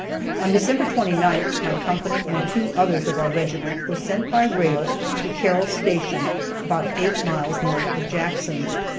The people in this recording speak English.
On December 29th, my company and two others of our regiment were sent by rail to Carroll Station, about eight miles north of Jackson.